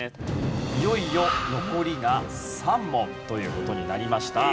いよいよ残りが３問という事になりました。